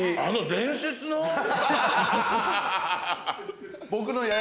あの伝説の？